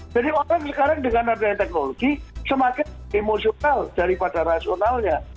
jadi orang sekarang dengan adanya teknologi semakin emosional daripada rasionalnya